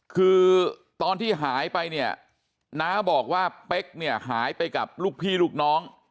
คือตอนที่หายไปเนี่ยน้าบอกว่าเป๊กเนี่ยหายไปกับลูกพี่ลูกน้อง